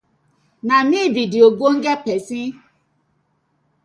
Na mi bi de ogbonge pesin.